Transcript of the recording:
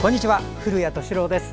古谷敏郎です。